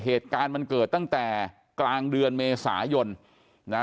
เหตุการณ์มันเกิดตั้งแต่กลางเดือนเมษายนนะ